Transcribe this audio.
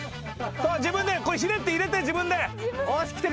自分でひねって入れて自分で。